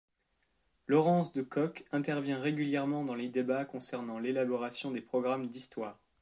Laurence de Cock intervient régulièrement dans les débats concernant l'élaboration des programmes d'histoire.